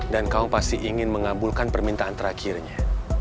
dan kamu pasti ingin mengabulkan permintaan terakhirnya